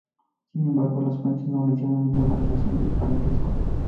Sin embargo, las fuentes no mencionan ninguna relación de parentesco.